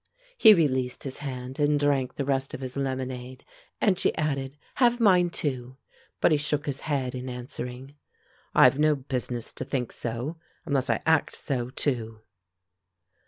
He released his hand and drank the rest of his lemonade, and she added, "Have mine, too," but he shook his head in answering, "I've no business to think so, unless I act so, too."